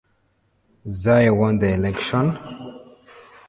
Zille won the election.